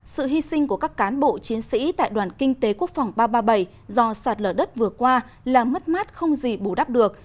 sự hy sinh của các cán bộ chiến sĩ tại đoàn kinh tế quốc phòng ba trăm ba mươi bảy do sạt lở đất vừa qua là mất mát không gì bù đắp được